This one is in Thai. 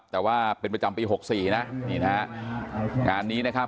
แต่ว่าเป็นประจำปี๖๔นะนี่นะฮะงานนี้นะครับ